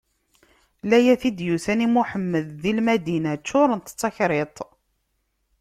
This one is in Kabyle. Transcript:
Layat i d-yusan i Muḥemmed di Lmadina ččurent d takriṭ.